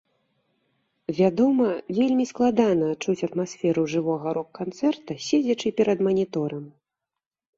Вядома, вельмі складана адчуць атмасферу жывога рок-канцэрта, седзячы перад маніторам.